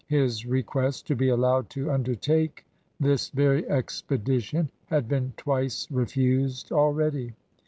His request to be allowed to undertake this very expedition had been twice refused already.